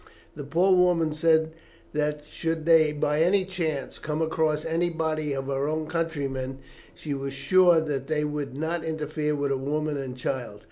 The poor woman said that should they by any chance come across any body of her countrymen, she was sure that they would not interfere with a woman and child.